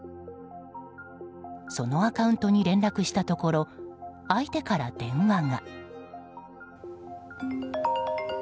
そのアカウントに連絡したところ相手から電話が。